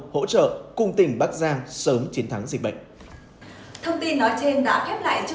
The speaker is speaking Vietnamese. hỗ trợ cung tình bác giang sớm chiến thắng dịch bệnh